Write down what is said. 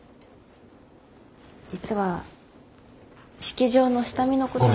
実は式場の下見のこと。